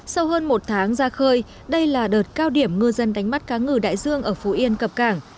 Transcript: sau hơn một tháng ra khơi đây là đợt cao điểm ngư dân đánh bắt cá ngừ đại dương ở phú yên cập cảng